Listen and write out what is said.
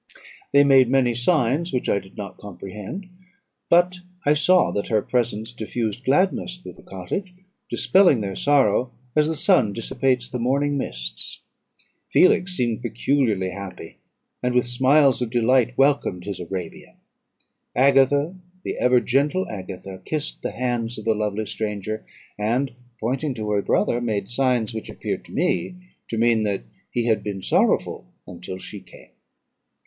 They made many signs which I did not comprehend; but I saw that her presence diffused gladness through the cottage, dispelling their sorrow as the sun dissipates the morning mists. Felix seemed peculiarly happy, and with smiles of delight welcomed his Arabian. Agatha, the ever gentle Agatha, kissed the hands of the lovely stranger; and, pointing to her brother, made signs which appeared to me to mean that he had been sorrowful until she came.